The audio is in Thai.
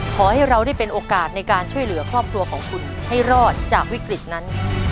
ขอให้เราได้เป็นโอกาสในการช่วยเหลือครอบครัวของคุณให้รอดจากวิกฤตนั้น